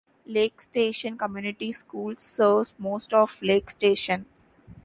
Lake Station Community Schools serves most of Lake Station.